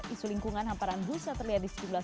isu lingkungan hamparan busa terlihat di sejumlah